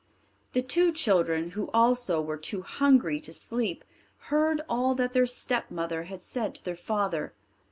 The two children, who also were too hungry to sleep, heard all that their stepmother had said to their father.